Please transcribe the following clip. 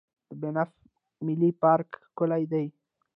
د بانف ملي پارک ښکلی دی.